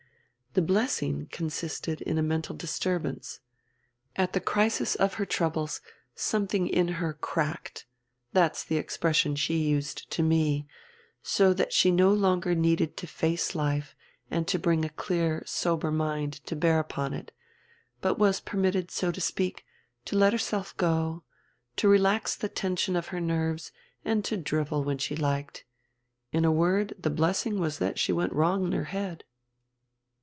"The blessing consisted in a mental disturbance. At the crisis of her troubles something in her cracked that's the expression she used to me so that she no longer needed to face life and to bring a clear, sober mind to bear upon it, but was permitted, so to speak, to let herself go, to relax the tension of her nerves and to drivel when she liked. In a word, the blessing was that she went wrong in her head."